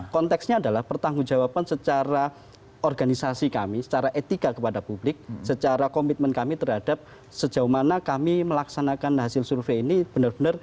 konteksnya adalah pertanggung jawaban secara organisasi kami secara etika kepada publik secara komitmen kami terhadap sejauh mana kami melaksanakan hasil survei ini benar benar